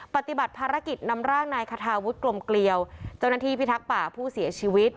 ปฏิบัติภารกิจนำร่างนายคาทาวุฒิกลมเกลียวเจ้าหน้าที่พิทักษ์ป่าผู้เสียชีวิต